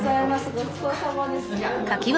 ごちそうさまです。